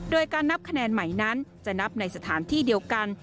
โดยการนับคะแนนใหม่นั้นจะนับในสถานที่เดียวกัน